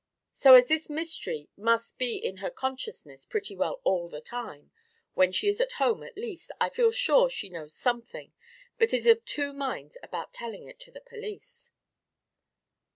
So, as this mystery must be in her consciousness pretty well all the time, when she is at home, at least, I feel sure she knows something but is of two minds about telling it to the police."